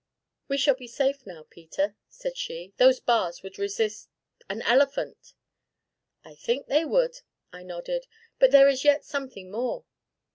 "We shall be safe now, Peter," said she; "those bars would resist an elephant." "I think they would," I nodded; "but there is yet something more."